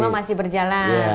empat puluh lima masih berjalan